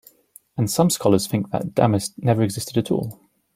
And some scholars think that Damis never existed at all.